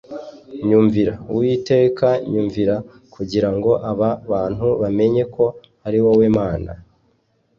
Nyumvira, Uwiteka nyumvira kugira ngo aba bantu bamenye ko ari wowe Mana